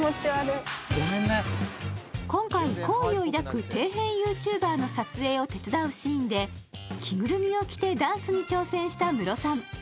今回、好意を抱く底辺ＹｏｕＴｕｂｅｒの撮影を手伝うシーンで着ぐるみを着てダンスに挑戦したムロさん。